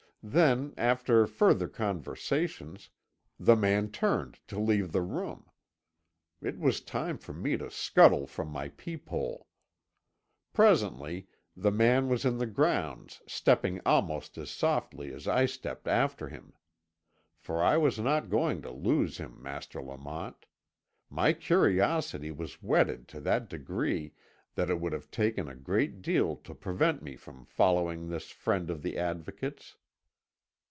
Then, after further conversation, the man turned to leave the room. It was time for me to scuttle from my peep hole. Presently the man was in the grounds stepping almost as softly as I stepped after him. For I was not going to lose him, Master Lamont; my curiosity was whetted to that degree that it would have taken a great deal to prevent me from following this friend of the Advocate's.